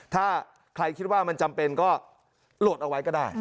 ถ้าใครคิดว่ามันจำเป็นก็โหลดเอาไว้ก็ได้